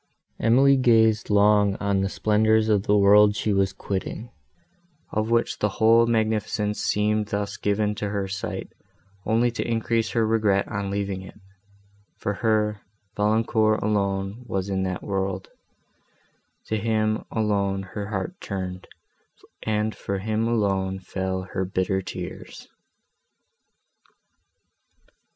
Emily gazed long on the splendours of the world she was quitting, of which the whole magnificence seemed thus given to her sight only to increase her regret on leaving it; for her, Valancourt alone was in that world; to him alone her heart turned, and for him alone fell her bitter tears.